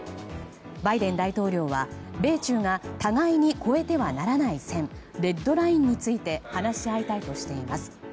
バイデン大統領は米中が、互いに超えてはならない線レッドラインについて話し合いたいとしています。